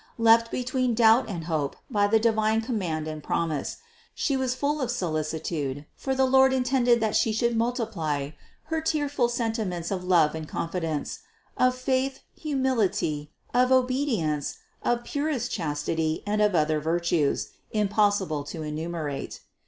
Left between doubt and hope by the divine command and promise, She was full of solicitude, for the Lord intended that She should multiply Her tearful sentiments of love and confidence, of faith, humility, of obedience, of purest chastity and of other virtues, impossible to enumerate.